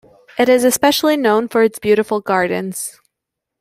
It is especially known for its beautiful gardens.